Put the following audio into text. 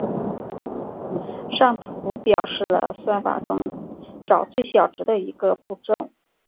上图表示了算法中找最小值的一个步骤。